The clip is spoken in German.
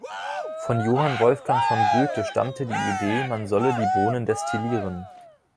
Von Johann Wolfgang von Goethe stammte die Idee, man solle die Bohnen destillieren.